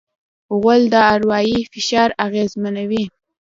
غول د اروایي فشار اغېزمنوي.